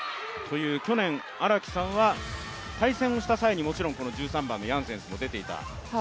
去年、荒木さんは対戦をした際に、もちろんこの１３番のヤンセンスも出ていた。